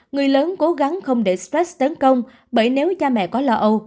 người lớn cố gắng không để stress tấn công bởi nếu cha mẹ có lo âu